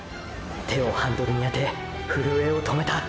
手をハンドルに当て震えを止めた！！